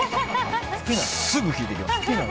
すぐ聞いてきます。